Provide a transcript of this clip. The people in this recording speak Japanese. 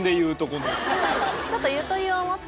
ちょっとゆとりを持って。